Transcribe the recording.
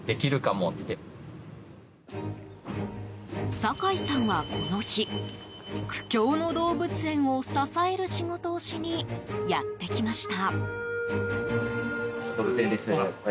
酒井さんはこの日苦境の動物園を支える仕事をしにやってきました。